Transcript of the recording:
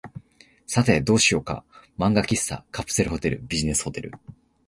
さて、どうしようか。漫画喫茶、カプセルホテル、ビジネスホテル、